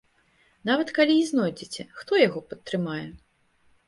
Нават калі і знойдзеце, хто яго падтрымае?